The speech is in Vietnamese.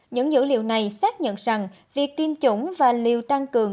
những dữ liệu này xác nhận rằng việc tiêm chủng và liều tăng cường